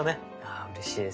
あうれしいです。